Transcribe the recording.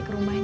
ke rumah kamu